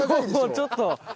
ちょっと。